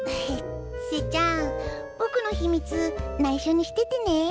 ちせちゃんぼくのひみつないしょにしててねぇ？